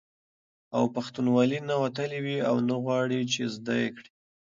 او پښتنوالي نه وتلي وي او نه غواړي، چې زده یې کړي